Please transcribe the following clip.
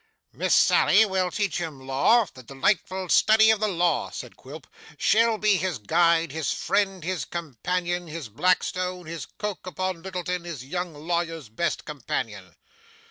'Miss Sally will teach him law, the delightful study of the law,' said Quilp; 'she'll be his guide, his friend, his companion, his Blackstone, his Coke upon Littleton, his Young Lawyer's Best Companion.